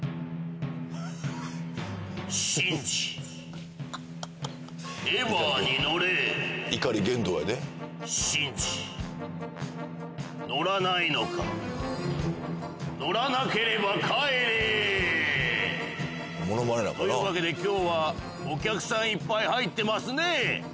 シンジエヴァに乗れシンジ乗らないのか乗らなければ帰れというわけで今日はお客さんいっぱい入ってますねえ